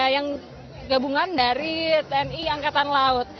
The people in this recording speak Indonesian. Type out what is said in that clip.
yang gabungan dari tni angkatan laut